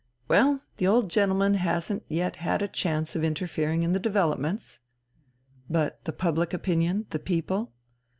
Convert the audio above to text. "Well, the old gentleman hasn't yet had a chance of interfering in the developments." "But the public opinion? the people?"